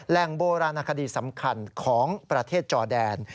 โบราณคดีสำคัญของประเทศจอแดน